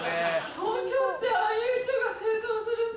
東京ってああいう人が清掃するんだ。